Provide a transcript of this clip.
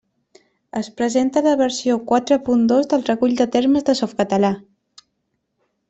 Es presenta la versió quatre punt dos del Recull de termes de Softcatalà.